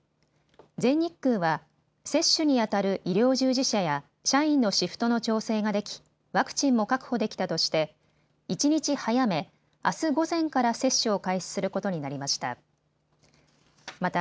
全日空は接種にあたる医療従事者や社員のシフトの調整ができワクチンも確保できたとして一日早め、あす午前から接種を開始することになりました。